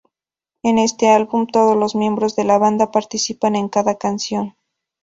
En este álbum, todos los miembros de la banda participan en cada canción.